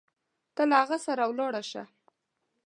ته له هغه سره ولاړه شه.